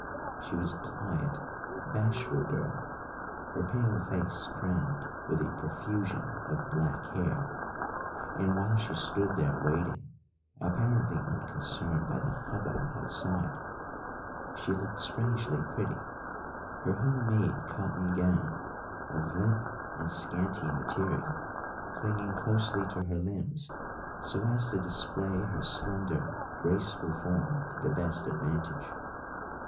She was a quiet, bashful girl, her pale face crowned with a profusion of black hair; and while she stood there waiting, apparently unconcerned by the hubbub outside, she looked strangely pretty, her homemade cotton gown, of limp and scanty material, clinging closely to her limbs so as to display her slender, graceful form to the best advantage.